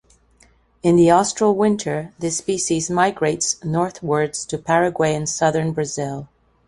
In the austral winter, this species migrates northwards to Paraguay and southern Brazil.